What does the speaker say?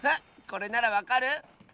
これならわかる？